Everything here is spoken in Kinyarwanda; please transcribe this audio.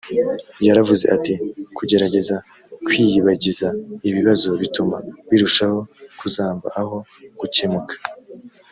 yaravuze ati “kugerageza kwiyibagiza ibibazo bituma birushaho kuzamba aho gukemuka”